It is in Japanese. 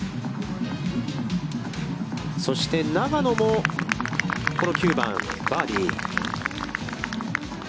そして永野もこの９番、バーディー。